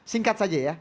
singkat saja ya